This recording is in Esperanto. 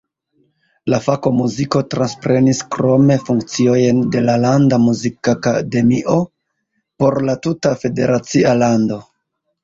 La fako muziko transprenis krome funkciojn de landa muzikakademio por la tuta federacia lando.